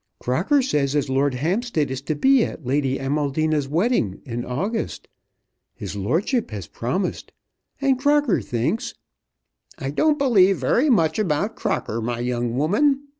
Crocker says as Lord Hampstead is to be at Lady Amaldina's wedding in August. His lordship has promised. And Crocker thinks " "I don't believe very much about Crocker, my young woman.